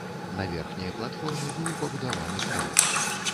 На верхняй платформе быў пабудаваны храм.